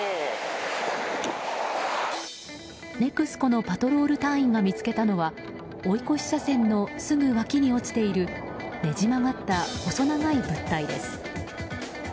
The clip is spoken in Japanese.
ＮＥＸＣＯのパトロール隊員が見つけたのは追い越し車線のすぐ脇に落ちているねじ曲がった細長い物体です。